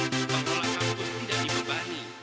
pengelola kampus menjadi bebani